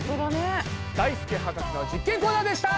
だいすけ博士の実験コーナーでした！